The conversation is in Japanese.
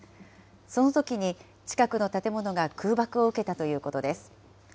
そのときに近くの建物が空爆を受けたということです。